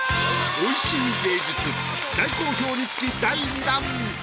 美味しい芸術大好評につき第２弾。